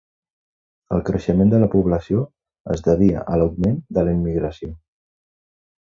El creixement de la població es devia a l'augment de la immigració.